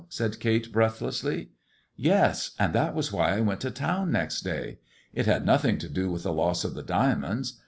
" said Kate breath lessly. Yes ! and that was why I went to town next day. It had nothing to do with the loss of the diamonds.